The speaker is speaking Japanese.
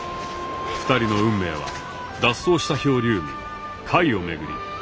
２人の運命は脱走した漂流民カイを巡り